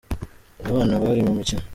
Abana bari mu mikino.